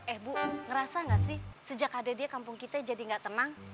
eh bu ngerasa gak sih sejak ada dia kampung kita jadi gak tenang